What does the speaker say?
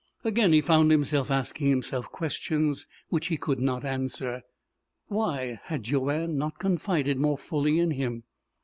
Again he found himself asking himself questions which he could not answer. Why had Joanne not confided more fully in him?